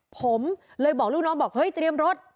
ผมเลยบอกลูกน้องบอกเฮ้ยเตรียมรถ